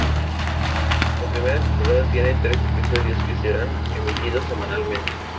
La primera temporada tiene trece episodios, que serán emitidos semanalmente.